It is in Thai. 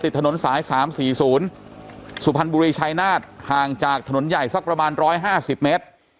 ถนนสาย๓๔๐สุพรรณบุรีชายนาฏห่างจากถนนใหญ่สักประมาณ๑๕๐เมตร